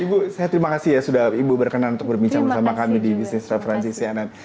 ibu saya terima kasih ya sudah ibu berkenan untuk berbincang bersama kami di bisnis referensi cnn